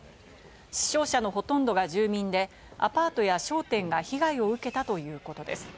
死傷者のほとんどが住民でアパートや商店が被害を受けたということです。